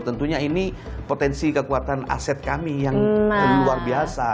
tentunya ini potensi kekuatan aset kami yang luar biasa